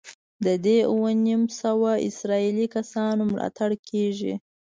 د دې اووه نیم سوه اسرائیلي کسانو ملاتړ کېږي.